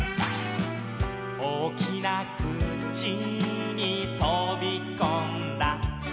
「おおきなくちにとびこんだ」